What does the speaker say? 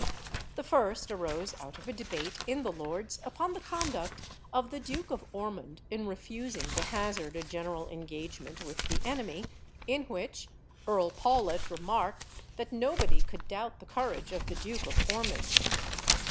The first arose out of a debate in the Lords upon the conduct of the Duke of Ormond in refusing to hazard a general engagement with the enemy, in which Earl Pawlet remarked that nobody could doubt the courage of the Duke of Ormond.